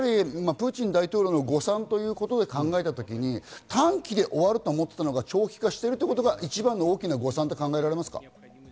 プーチン大統領の誤算ということで考えたとき、短期で終わると思っていたのが長期化しているということが一番の大きな誤算と考えられますか？